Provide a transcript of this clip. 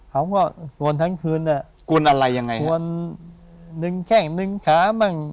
เขาก็กวนทั้งคืนอ่ะกวนอะไรยังไงครับกวนหนึ่งแข้งหนึ่งขาบ้าง